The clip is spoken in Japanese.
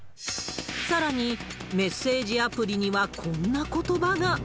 さらに、メッセージアプリにはこんなことばが。